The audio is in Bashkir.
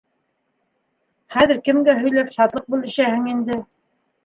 Хәҙер кемгә һөйләп шатлыҡ бүлешәһең инде.